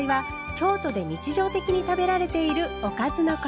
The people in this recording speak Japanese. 京都で日常的に食べられているおかずのこと。